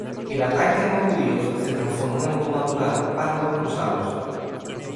El ataque a los judíos se transformó en algo natural para los cruzados.